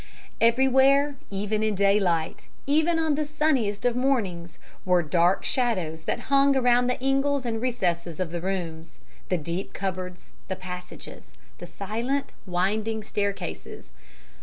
"Everywhere even in daylight, even on the sunniest of mornings were dark shadows that hung around the ingles and recesses of the rooms, the deep cupboards, the passages, and silent, winding staircases.